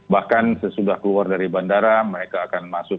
bahkan sesudah keluar dari bandara kita bisa melakukan eksersis yang lebih cepat